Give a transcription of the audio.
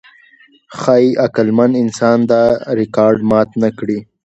ښایي عقلمن انسان دا ریکارډ مات نهکړي.